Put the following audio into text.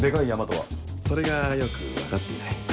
あそれがよく分かっていない。